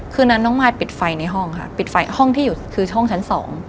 คืนนั้นน้องมายปิดไฟในห้องค่ะปิดไฟห้องที่อยู่คือห้องชั้น๒